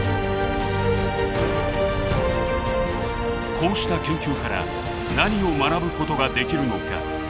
こうした研究から何を学ぶことができるのか。